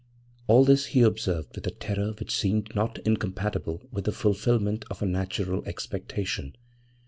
< 3 > All this he observed with a terror which seemed not incompatible with the fulfilment of a natural expectation.